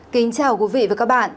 kính chào quý vị và các bạn